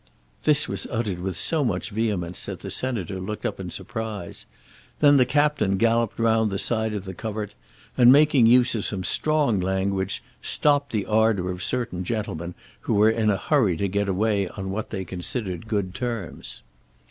This was uttered with so much vehemence that the Senator looked up in surprise. Then the Captain galloped round the side of the covert, and, making use of some strong language, stopped the ardour of certain gentlemen who were in a hurry to get away on what they considered good terms.